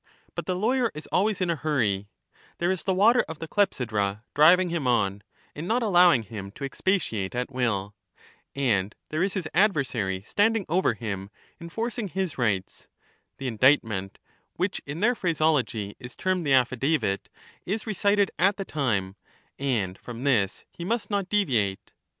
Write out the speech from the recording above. But ledge, but the lawyer is always in a hurry ; there is the water of the * Parallel clepsj:dra driving him on, and not allowing him to, expatist^ between at will : and there is his adversary standing over him, en *^* "^y^ ^ forcing his rights ; the indictment, which in their phraseology and phiio is termed the affidavit, is recited at the time : and from this sopher. he must not delate.